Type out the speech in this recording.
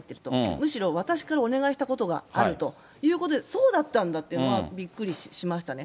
むしろ、私からお願いしたことがあるということで、そうだったんだっていうのがびっくりしましたね。